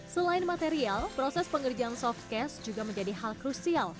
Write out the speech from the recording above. selain material proses pengerjaan softcast juga menjadi hal krusial